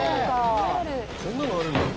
「こんなのあるんだ」